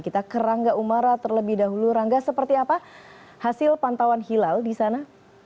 kita ke rangga umara terlebih dahulu rangga seperti apa hasil pantauan hilal di sana